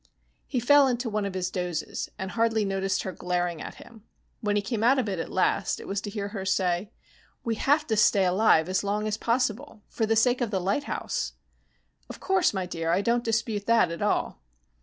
He fell into one of his dozes and hardly noticed her glaring at him. When he came out of it at last, it was to hear her say, "We have to stay alive as long as possible. For the sake of the lighthouse." "Of course, my dear. I don't dispute that at all."